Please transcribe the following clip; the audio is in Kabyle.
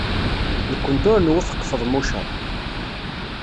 Nekkenti ur nwufeq Feḍmuca.